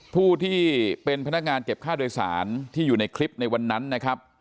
ผู้ที่เป็นพนักงานเก็บค่าโดยสารที่อยู่ในคลิปในวันนั้นนะครับ